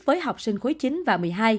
với học sinh khối chín và một mươi hai